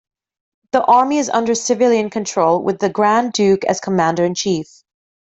The army is under civilian control, with the Grand Duke as Commander-in-Chief.